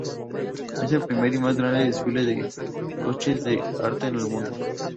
Es el primer y más grande desfile de coches de arte en el mundo.